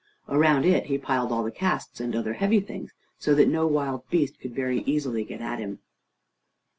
Around it he piled all the casks and other heavy things, so that no wild beast could very easily get at him.